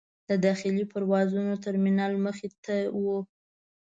د داخلي پروازونو ترمینل مخې ته و.